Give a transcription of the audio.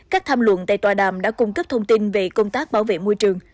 các tham luận tại tòa đàm đã cung cấp thông tin về công tác bảo vệ môi trường